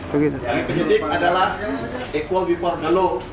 pada penyedih adalah equal before the law